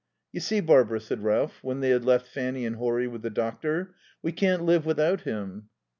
"You see, Barbara," said Ralph, when they had left Fanny and Horry with the doctor, "we can't live without him."